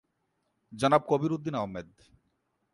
জনাব কবির উদ্দিন আহমদ।